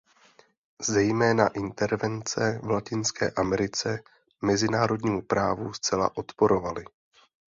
Zejména intervence v Latinské Americe mezinárodnímu právu zcela odporovaly.